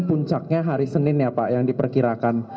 puncaknya hari senin ya pak yang diperkirakan